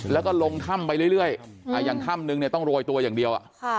แล้วก็ลงถ้ำไปเรื่อย